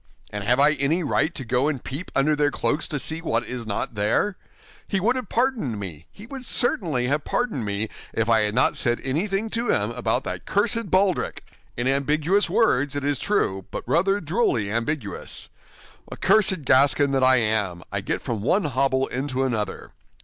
And have I any right to go and peep under their cloaks to see what is not there? He would have pardoned me, he would certainly have pardoned me, if I had not said anything to him about that cursed baldric—in ambiguous words, it is true, but rather drolly ambiguous. Ah, cursed Gascon that I am, I get from one hobble into another.